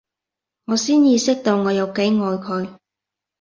我先意識到我有幾愛佢